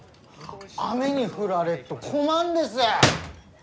雨に降られっと困んです。